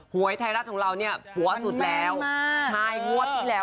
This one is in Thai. หวยไทยรัฐของเราเนี่ยผัวสุดแล้วมันแม่งมากใช่งวดที่แล้ว